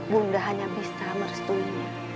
bunda hanya bisa merestuinya